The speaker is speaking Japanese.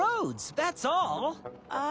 あ。